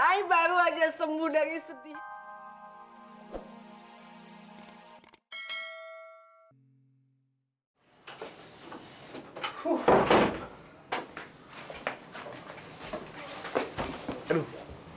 ayah baru aja sembuh dari setiap